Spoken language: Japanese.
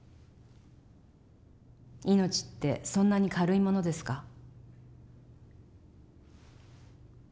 命ってそんなに軽いものですか？